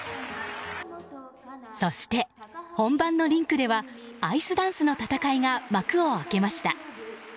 そして本番のリンクではアイスダンスの戦いが幕を開けました。